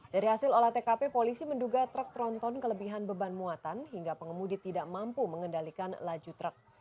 dari hasil olah tkp polisi menduga truk tronton kelebihan beban muatan hingga pengemudi tidak mampu mengendalikan laju truk